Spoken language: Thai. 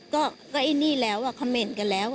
ก็ไอ้นี่แล้วคอมเมนต์กันแล้ว